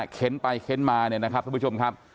เค้นไปเค้นมาเนี่ยนะครับทุกผู้ชมครับ